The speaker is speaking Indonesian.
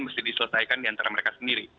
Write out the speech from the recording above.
mesti diselesaikan di antara mereka sendiri